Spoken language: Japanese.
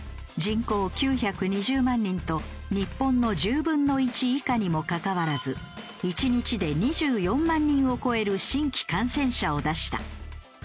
人口９２０万人と日本の１０分の１以下にもかかわらず１日で２４万人を超える新規感染者を出した。